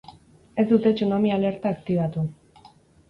Ez dute tsunami alerta aktibatu.